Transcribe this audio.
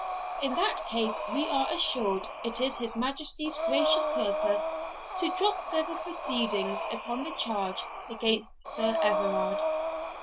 In that case we are assured it is his Majesty's gracious purpose to drop further proceedings upon the charge against Sir Everard.